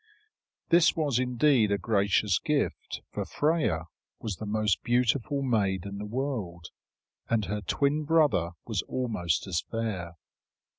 This was indeed a gracious gift; for Freia was the most beautiful maid in the world, and her twin brother was almost as fair.